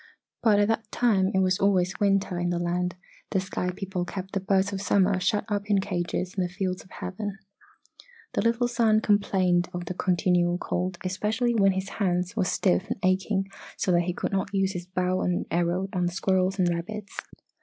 But at that time it was always winter in the land the sky people kept the Birds of Summer shut up in cages in the Fields of Heaven. "The little son complained of the continual cold, especially when his hands were stiff and aching so that he could not use his bow and arrow on the squirrels and rabbits.